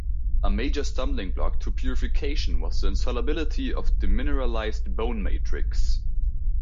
A major stumbling block to purification was the insolubility of demineralized bone matrix.